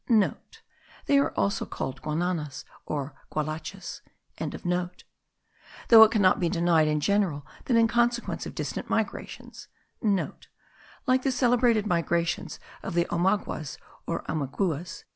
(* They are also called Guananas, or Gualachas.) Though it cannot be denied in general that in consequence of distant migrations,* (* Like the celebrated migrations of the Omaguas, or Omeguas.)